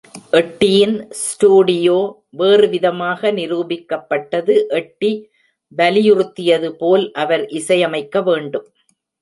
எட்டியின் studio வேறுவிதமாக நிரூபிக்கப்பட்டது, Eddie வலியுறுத்தியது போல் அவர் இசையமைக்க வேண்டும்.